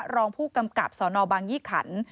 รองผู้กำกับสนบางยี่ขัน